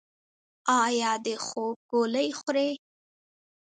ایا د خوب ګولۍ خورئ؟